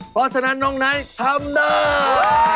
เพราะฉะนั้นน้องไนท์ทำได้